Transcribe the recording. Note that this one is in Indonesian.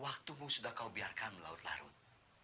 waktumu sudah kau biarkan melaut larut